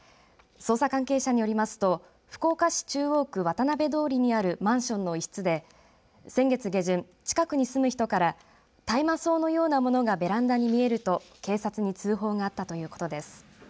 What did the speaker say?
捜査関係者によりますと福岡市中央区渡辺通にあるマンションの一室で、先月下旬近くに住む人から大麻草のようなものがベランダに見えると警察に通報があったということです。